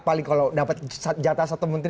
paling kalau dapat jatah satu menteri